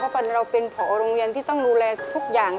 เพราะเราเป็นผอโรงเรียนที่ต้องดูแลทุกอย่าง